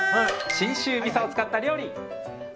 信州みそを使った料理！